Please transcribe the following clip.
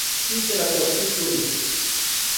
Imperator Pictures